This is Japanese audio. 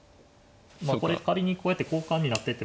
これ仮にこうやって交換になってても。